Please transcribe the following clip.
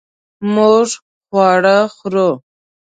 مونږ خواړه خورو